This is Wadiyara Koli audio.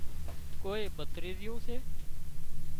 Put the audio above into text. ڪوئي ڀتريزيون سي